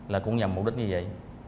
là cũng nhằm mục đích như vậy